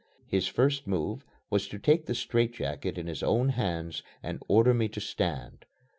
His first move was to take the straitjacket in his own hands and order me to stand.